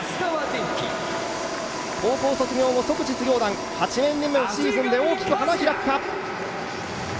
高校卒業後、即実業団、８年目のシーズンで大きく花開くか。